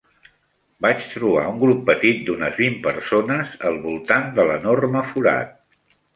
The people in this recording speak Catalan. Vaig trobar un grup petit d'unes vint persones al voltant de l'enorme forat.